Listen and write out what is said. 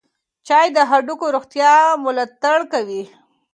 چای د هډوکو روغتیا ملاتړ کوي.